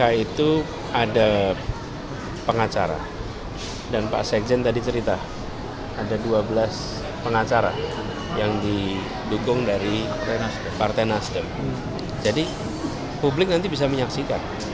mk itu ada pengacara dan pak sekjen tadi cerita ada dua belas pengacara yang didukung dari partai nasdem jadi publik nanti bisa menyaksikan